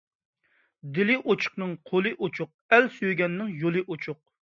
دىلى ئوچۇقنىڭ قولى ئوچۇق، ئەل سۆيگەننىڭ يولى ئوچۇق.